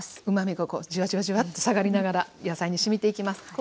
うまみがこうじわじわじわっと下がりながら野菜にしみていきます。